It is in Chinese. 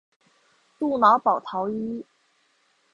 杜瑙保陶伊。